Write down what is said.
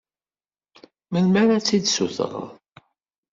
Melmi ara tt-id-sutreḍ?